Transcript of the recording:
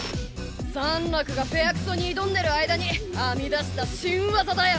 サンラクが「フェアクソ」に挑んでる間に編み出した新技だよ。